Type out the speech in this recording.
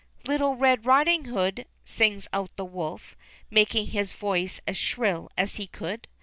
"Little Red Riding Hood," sings out the wolf, making his voice as shrill as he could.